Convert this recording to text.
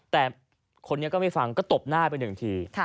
แต่คนนี้ก็ไม่ฟังก็ตบหน้าไปหนึ่งที